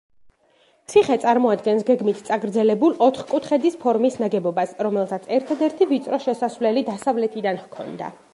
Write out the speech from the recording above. ციხე წარმოადგენს გეგმით წაგრძელებულ, ოთხკუთხედის ფორმის ნაგებობას, რომელსაც ერთადერთი ვიწრო შესასვლელი დასავლეთიდან ჰქონდა.